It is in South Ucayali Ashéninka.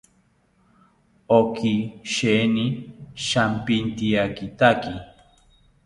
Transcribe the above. Oki sheeni shampityakitaki